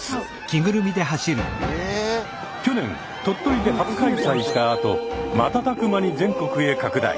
去年鳥取で初開催したあと瞬く間に全国へ拡大。